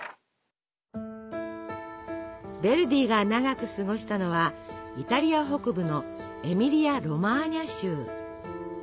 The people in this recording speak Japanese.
ヴェルディが長く過ごしたのはイタリア北部のエミリア・ロマーニャ州。